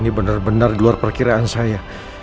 ini bener bener keluar perkiraan saya